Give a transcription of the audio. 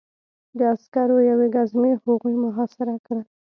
د عسکرو یوې ګزمې هغوی محاصره کړل